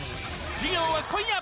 『授業』は今夜！